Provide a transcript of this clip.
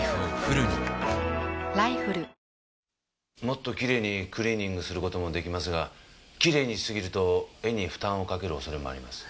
もっときれいにクリーニングする事も出来ますがきれいにし過ぎると絵に負担をかける恐れもあります。